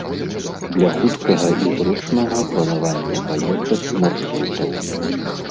Для хуткага і зручнага планавання паездак і маршрутаў.